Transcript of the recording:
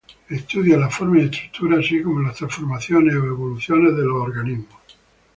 Estudia la forma y estructura así como las transformaciones o evoluciones de los organismos.